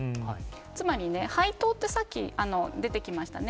つまり、配当ってさっき出てきましたね。